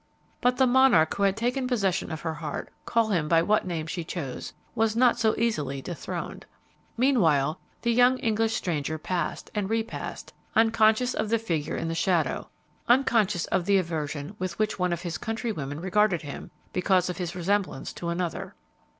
But the monarch who had taken possession of her heart, call him by what name she chose, was not to be so easily dethroned. Meanwhile, the young English stranger passed and repassed, unconscious of the figure in the shadow, unconscious of the aversion with which one of his countrywomen regarded him because of his resemblance to another.